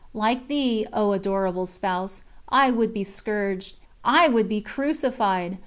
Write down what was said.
Like Thee, O Adorable Spouse, I would be scourged, I would be crucified!